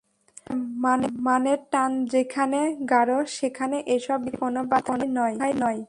তবে মানের টান যেখানে গাঢ়, সেখানে এসব বিপত্তি কোনো বাধাই নয়।